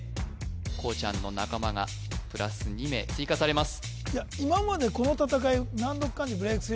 こうちゃんの仲間がプラス２名追加されます